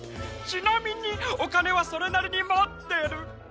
ちなみにおかねはそれなりにもってる！